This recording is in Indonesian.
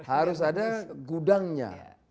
harus ada gudangnya